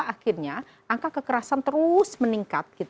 akhirnya angka kekerasan terus meningkat